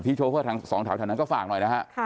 พี่โชเฟอร์ทางสองถาวนั้นก็ฝากหน่อยนะครับ